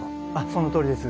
そのとおりです。